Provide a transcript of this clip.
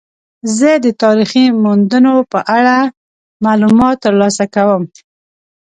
زه د تاریخي موندنو په اړه معلومات ترلاسه کوم.